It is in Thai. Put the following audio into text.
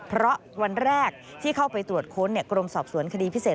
เพราะวันแรกที่เข้าไปตรวจค้นกรมสอบสวนคดีพิเศษ